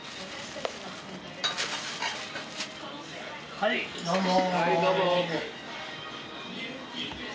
はいどうも。